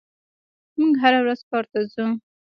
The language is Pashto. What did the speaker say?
موږ هره ورځ کار ته ځو.